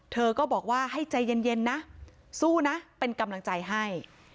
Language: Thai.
เธอก็บอกว่าให้ใจเย็นนะสู้นะเป็นกำลังใจให้